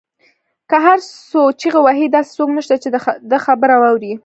که هر څو چیغې وهي داسې څوک نشته، چې د ده خبره واوري